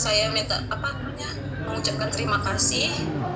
saya minta mengucapkan terima kasih